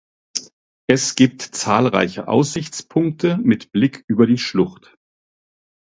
Es gibt zahlreiche Aussichtspunkte mit Blick über die Schlucht.